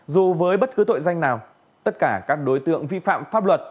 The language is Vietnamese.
dù với bất cứ tội danh nào tất cả các đối tượng vi phạm pháp luật